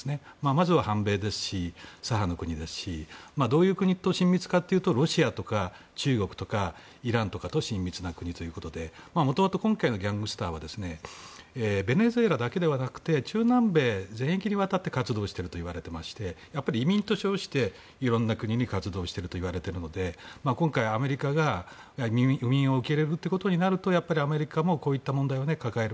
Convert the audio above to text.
まずは反米ですし左派の国ですしどういう国と親密かというとロシアとか中国とかイランとかと親密な国ということで元々、今回のギャングスターはベネズエラだけではなくて中南米全域にわたって活動しているといわれていましてやはり移民と称して色んな国に活動しているといわれているので今回、アメリカが移民を受け入れるということになるとやっぱりアメリカもこういった問題を抱える。